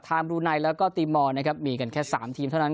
บรูไนแล้วก็ตีมอนนะครับมีกันแค่๓ทีมเท่านั้น